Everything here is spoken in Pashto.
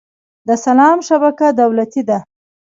د سلام شبکه دولتي ده؟